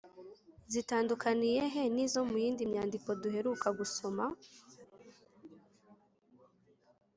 zitandukaniye he n’izo mu yindi myandiko duheruka gusoma?